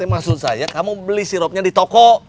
maksud saya kamu beli sirupnya di toko